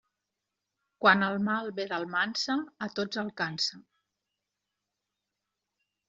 Quan el mal ve d'Almansa, a tots alcança.